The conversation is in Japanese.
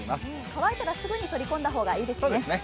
乾いたらすぐに取り込んだ方がいいですね。